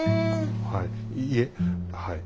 はいいいえはい。